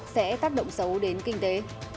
sẽ tác động xấu đến kinh tế